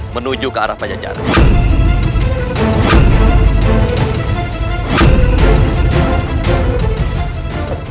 menuju ke arah pajak jarak